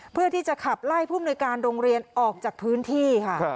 เพื่อที่จะขับไล่ผู้มนุยการโรงเรียนออกจากพื้นที่ค่ะ